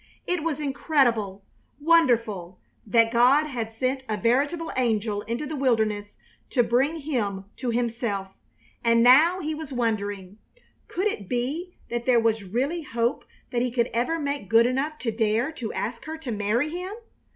It was incredible, wonderful, that God had sent a veritable angel into the wilderness to bring him to himself; and now he was wondering, could it be that there was really hope that he could ever make good enough to dare to ask her to marry him.